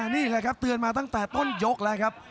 นี่แหละครับเตือนมาตั้งแต่ต้นยกแล้วครับ